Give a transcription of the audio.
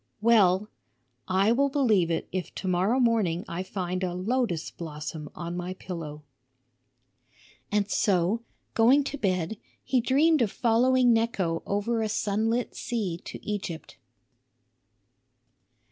Well, I will believe it if to morrow morning I find a lotus blossom on my pillow." And so, going to bed, he dreamed of following Necho over a sunlit sea to Egypt.